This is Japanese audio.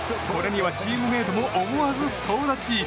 これにはチームメートも思わず総立ち。